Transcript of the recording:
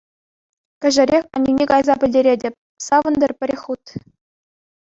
Кӗҫӗрех аннӳне кайса пӗлтеретӗп — савӑнтӑр пӗрех хут!